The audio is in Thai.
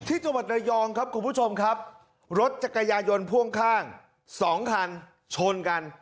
ที่จังหวัดระยองครับคุณผู้ชมครับรถจักรยายนพ่วงข้างสองคันชนกัน